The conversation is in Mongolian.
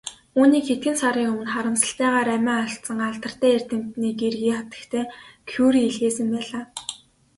Үүнийг хэдхэн сарын өмнө харамсалтайгаар амиа алдсан алдартай эрдэмтний гэргий хатагтай Кюре илгээсэн байлаа.